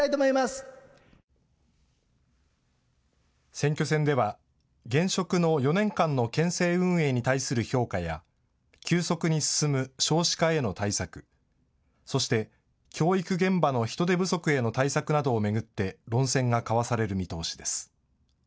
選挙戦では、現職の４年間の県政運営に対する評価や急速に進む少子化への対策、そして教育現場の人手不足への対策などを巡って論戦が交わされる見通しです。